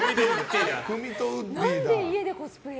何で、家でコスプレ？